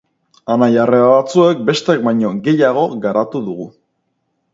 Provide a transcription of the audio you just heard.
Anai-arreba batzuek besteak baino gehiago garatu dugu.